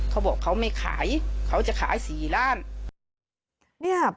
เขาบอกเขาไม่ขายเขาจะขาย๔ล้าน